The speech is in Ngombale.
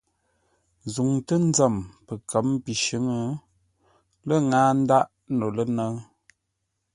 Zuŋtə́ nzəm pəkə̌m pi shʉ̌ŋ, lé ŋáa ndáʼ no lə́nə́ʉ.